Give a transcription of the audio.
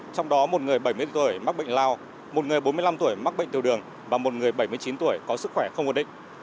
trong đó một người bảy mươi tuổi mắc bệnh lao một người bốn mươi năm tuổi mắc bệnh tiêu đường và một người bảy mươi chín tuổi có sức khỏe không ổn định